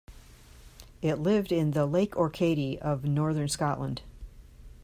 It lived in the Lake Orcadie of northern Scotland.